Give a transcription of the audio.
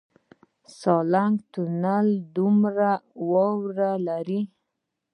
سالنګ کوتل څومره واوره لري؟